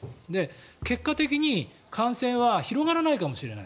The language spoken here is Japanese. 結果的に感染は広がらないかもしれない。